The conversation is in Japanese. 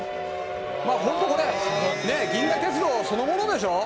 「本当これ銀河鉄道そのものでしょ？」